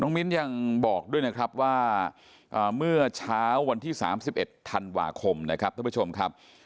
มิ้นยังบอกด้วยนะครับว่าเมื่อเช้าวันที่๓๑ธันวาคมนะครับท่านผู้ชมครับ